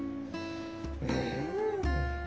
うん。